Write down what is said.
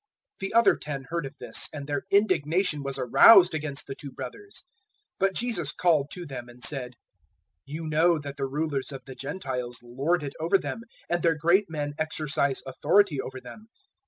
020:024 The other ten heard of this, and their indignation was aroused against the two brothers. 020:025 But Jesus called them to Him, and said, "You know that the rulers of the Gentiles lord it over them, and their great men exercise authority over them.